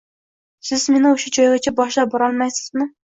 Siz meni o`sha joygacha boshlab borolmaysizmi